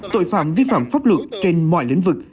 tội phạm vi phạm pháp luật trên mọi lĩnh vực